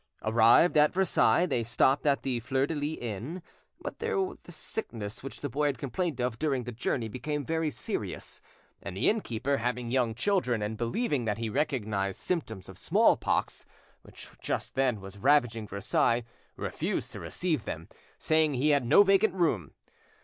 Arrived at Versailles, they stopped at the Fleur de lys inn, but there the sickness which the boy had complained of during the journey became very serious, and the innkeeper, having young children, and believing that he recognised symptoms of smallpox, which just then was ravaging Versailles, refused to receive them, saying he had no vacant room.